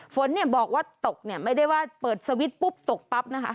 ฝนบอกว่าตกไม่ได้ว่าเปิดสวิตซ์ปุ๊บตกปั๊บนะคะ